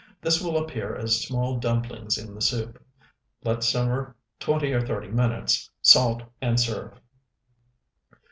This will appear as small dumplings in the soup. Let simmer twenty or thirty minutes; salt, and serve.